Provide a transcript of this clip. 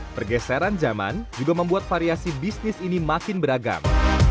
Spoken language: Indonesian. pergeseran zaman juga membuat variasi bisnis ini makin beragam